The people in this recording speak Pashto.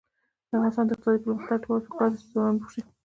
د افغانستان د اقتصادي پرمختګ لپاره پکار ده چې ځوانان بوخت شي.